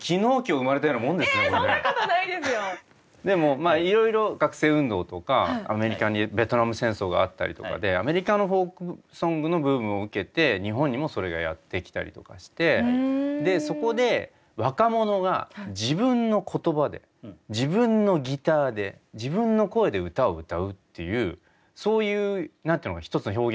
でもいろいろ学生運動とかアメリカにベトナム戦争があったりとかでアメリカのフォークソングのブームを受けて日本にもそれがやってきたりとかしてそこで若者が自分の言葉で自分のギターで自分の声で歌を歌うっていうそういう何ていうのかな